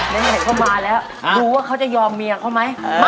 นแยมใช้เข้ามาแล้วดูว่าเขายอมเมียเขาไหม